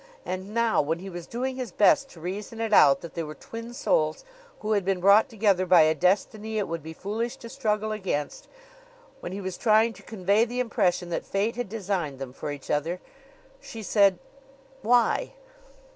And now, when he was doing his best to reason it out that they were twin souls who had been brought together by a destiny it would be foolish to struggle against; when he was trying to convey the impression that fate had designed them for each other she said, "Why?"